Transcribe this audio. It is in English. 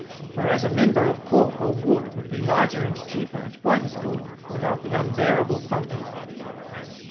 Whereas a member of cork, or wood, Would be lighter and cheaper and quite as good, Without the unbearable thumping.